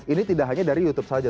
ini tidak hanya dari youtube saja